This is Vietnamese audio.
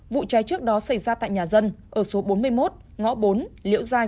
vụ cháy trước đó xảy ra tại nhà dân ở số bốn mươi một ngõ bốn liễu giai